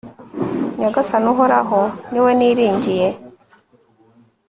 nyagasani uhoraho, ni we niringiye